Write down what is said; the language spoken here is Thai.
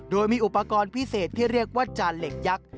โดยมีอุปกรณ์พิเศษที่เรียกว่าจานเหล็กยักษ์